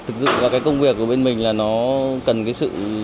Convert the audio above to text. thực dựng ra cái công việc của bên mình là nó cần cái sự